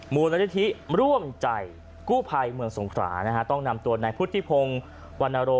มูลนิธิร่วมใจกู้ภัยเมืองสงขรานะฮะต้องนำตัวนายพุทธิพงศ์วรรณโร